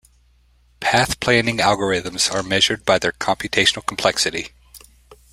Path planning algorithms are measured by their computational complexity.